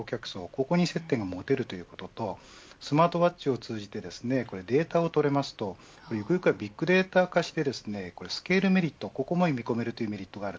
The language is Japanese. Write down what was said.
ここに接点を持てるということとスマートウォッチを通じてデータを取れるとビッグデータ化してメリットが見込めます。